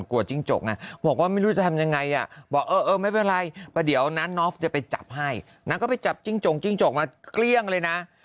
อันนี้ดูน่ากลัวนิดหนึ่งนะ